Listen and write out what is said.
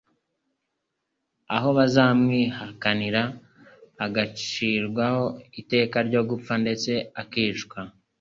aho bazamwihakanira, agacirwaho iteka ryo gupfa ndetse akicwa.